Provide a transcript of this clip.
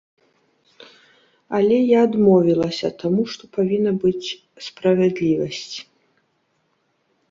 Але я адмовілася, таму што павінна быць справядлівасць.